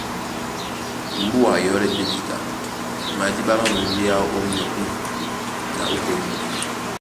Mbùa e yɔ́lɛ́ tɛ́ jǐta, madíɓá má mondéá ó myɔpí na ó toŋgo.